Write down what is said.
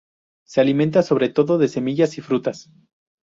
Se alimenta sobre todo de semillas, y frutas.